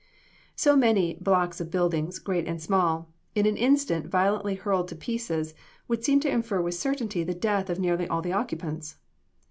So many blocks of buildings, great and small, in an instant violently hurled to pieces, would seem to infer with certainty the death of nearly all the occupants.